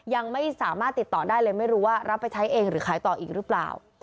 ยังไม่สามารถติดต่อได้เลยไม่รู้ว่ารับไปใช้เองหรือขายต่ออีกหรือเปล่า